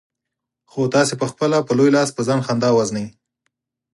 خو تاسې پخپله په لوی لاس په ځان خندا وژنئ.